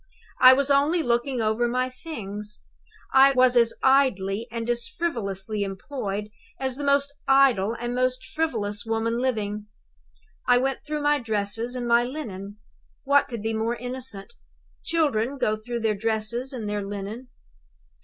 "I was only looking over my things; I was as idly and as frivolously employed as the most idle and most frivolous woman living. I went through my dresses, and my linen. What could be more innocent? Children go through their dresses and their linen.